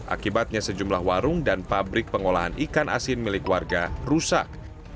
akibatnya sejumlah warung dan pabrik pengolahan ikan asin milik warga rusak